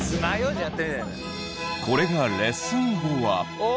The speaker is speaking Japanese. これがレッスン後は。